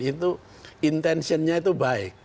itu intentionnya itu baik